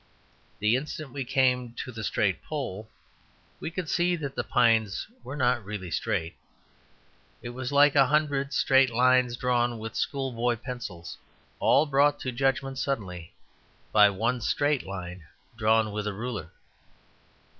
The instant we came to the straight pole we could see that the pines were not really straight. It was like a hundred straight lines drawn with schoolboy pencils all brought to judgment suddenly by one straight line drawn with a ruler.